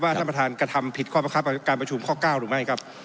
ท่านประธานกระทำผิดข้อบังคับการประชุมข้อ๙หรือไม่ครับ